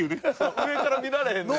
上から見られへんねんな。